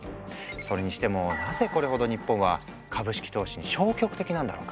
それにしてもなぜこれほど日本は株式投資に消極的なんだろうか？